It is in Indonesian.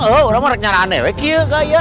orang orang harus nyara aneh aneh gitu